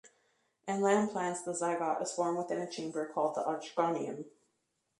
In land plants, the zygote is formed within a chamber called the archegonium.